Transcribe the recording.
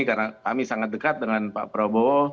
karena kami sangat dekat dengan pak prabowo